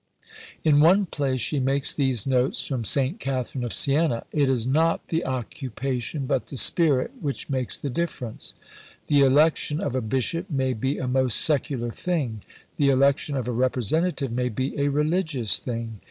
In one place she makes these notes from St. Catherine of Siena: "It is not the occupation but the spirit which makes the difference. The election of a bishop may be a most secular thing. The election of a representative may be a religious thing.